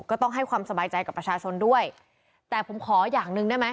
ก็ต้องให้ความสบายใจกับประชาชนด้วยแต่ผมขออย่างหนึ่งได้ไหม